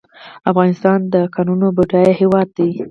افغانستان د کانونو بډایه هیواد دی